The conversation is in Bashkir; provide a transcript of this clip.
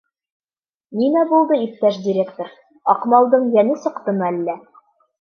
Нимә булды, иптәш директор, Аҡмалдың йәне сыҡтымы әллә?